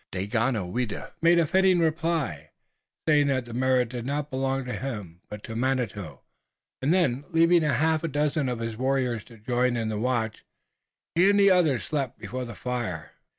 Daganoweda made a fitting reply, saying that the merit did not belong to him but to Manitou, and then, leaving a half dozen of his warriors to join in the watch, he and the others slept before the fire.